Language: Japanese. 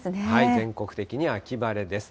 全国的に秋晴れです。